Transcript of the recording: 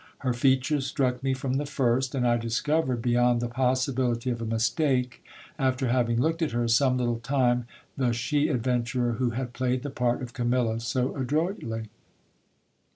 Her features struck me from the first ; and I discovered beyond the possibility of a mistake, after having looked at her some little time, the she adventurer who had played the part of Camilla so adroitly.